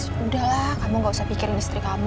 haris udah lah kamu gak usah pikirin istri kamu